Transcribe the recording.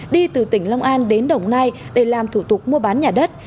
đi từ tỉnh long an đến đồng nai để làm thủ tục mua bán nhà đất